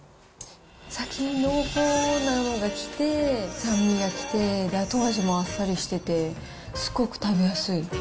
先に濃厚なのがきて、酸味がきて、後味もあっさりしてて、すごく食べやすい。